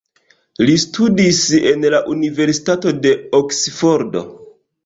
Li studis en la Universitato de Oksfordo.